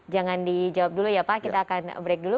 jangan dijawab dulu ya pak kita akan break dulu